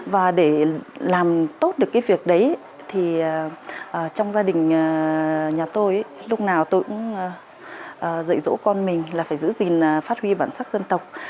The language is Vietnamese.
và để làm tốt được cái việc đấy thì trong gia đình nhà tôi lúc nào tôi cũng dạy dỗ con mình là phải giữ gìn phát huy bản sắc dân tộc